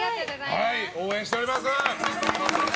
応援しております。